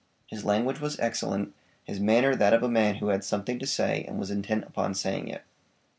His language was excellent, his manner that of a man who had something to say and was intent upon saying it.